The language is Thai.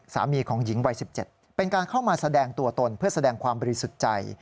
สามีของหญิงวัย๑๗เป็นการเข้ามาแสดงตัวตนเพื่อแสดงความบริสุทธิ์ใจ